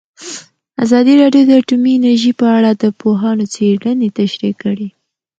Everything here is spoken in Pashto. ازادي راډیو د اټومي انرژي په اړه د پوهانو څېړنې تشریح کړې.